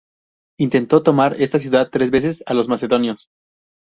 Intentó tomar esta ciudad tres veces a los macedonios.